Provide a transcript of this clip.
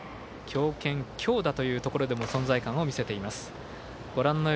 強肩強打というところでも存在感を見せています。